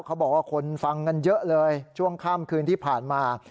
เขาบอกว่าคนฟังกันเยอะเลยช่วงค่ำคืนที่ผ่านมา